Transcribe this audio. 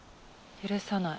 許さない